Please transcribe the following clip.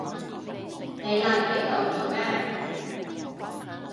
你嚟呢度做咩？